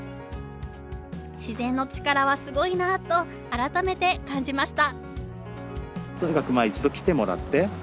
自然の力はすごいなと改めて感じました。